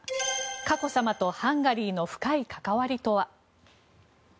佳子さまとハンガリーの深い関わりとは。